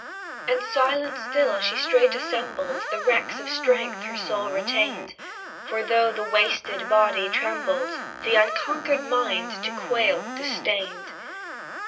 And silent still, she straight assembled The wrecks of strength her soul retained; For though the wasted body trembled, The unconquered mind, to quail, disdained.